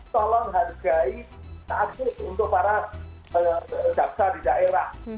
tolong hargai akses untuk para jaksa di daerah